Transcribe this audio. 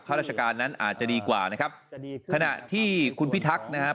ราชการนั้นอาจจะดีกว่านะครับขณะที่คุณพิทักษ์นะครับ